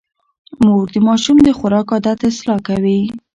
مور د ماشوم د خوراک عادت اصلاح کوي.